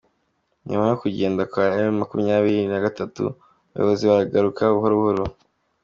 Nyuma yo kugenda kwa M makumyabiri nagatatu abayobozi baragaruka buhoro buhoro